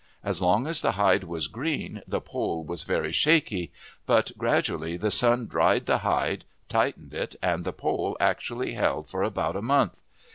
As long as the hide was green, the pole was very shaky; but gradually the sun dried the hide, tightened it, and the pole actually held for about a month.